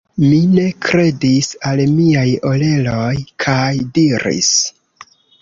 Mi ne kredis al miaj oreloj kaj diris: